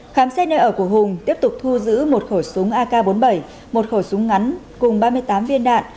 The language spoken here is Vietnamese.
khám xét nơi ở của hùng tiếp tục thu giữ một khẩu súng ak bốn mươi bảy một khẩu súng ngắn cùng ba mươi tám viên đạn